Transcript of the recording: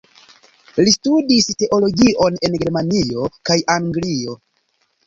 Li studis teologion en Germanio kaj Anglio.